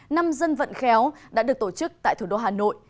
năm dân vận khéo đã được tổ chức tại thủ đô hà nội